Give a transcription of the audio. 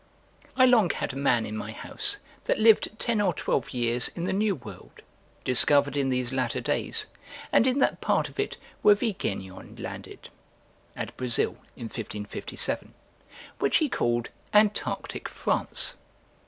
I long had a man in my house that lived ten or twelve years in the New World, discovered in these latter days, and in that part of it where Villegaignon landed, [At Brazil, in 1557.] which he called Antarctic France.